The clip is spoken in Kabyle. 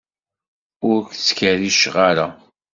Ur k-ttkerriceɣ ara.